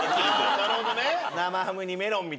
ああなるほどね。